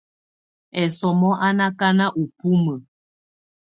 Ɛsɔmɔ á ná ákáná ú bumǝ.